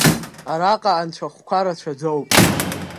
Араҟа анцәахәқәа рацәаӡоуп.